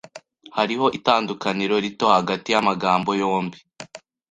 Hariho itandukaniro rito hagati yamagambo yombi